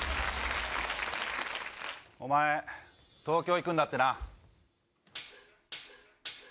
お前、東京行くんだってな。